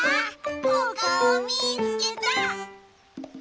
おかおみつけた！